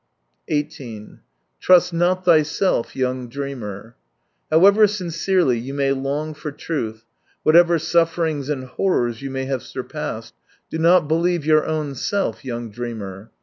I8S i8 " Trust not thyself, young dreamer." — However sincerely you may long for truth, whatever sufferings and horrors you may have surpassed, do not believe your own self, young dreamer.